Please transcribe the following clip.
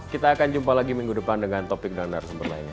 kita akan jumpa lagi minggu depan dengan topik dan narasumber lainnya